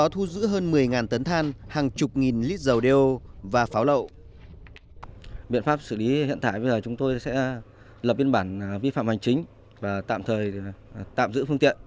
một mươi tấn than hàng chục nghìn lít dầu đeo và pháo lậu